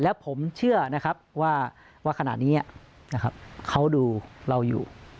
แล้วผมเชื่อนะครับว่าขณะนี้นะครับเขาดูเราอยู่